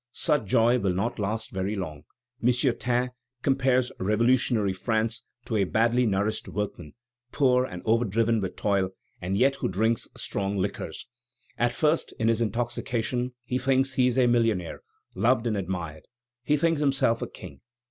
Such joy will not last very long. M. Taine compares revolutionary France to a badly nourished workman, poor, and overdriven with toil, and yet who drinks strong liquors. At first, in his intoxication, he thinks he is a millionnaire, loved and admired; he thinks himself a king.